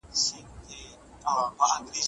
او یقین لرم چي هر چا چي ورسره پېژندل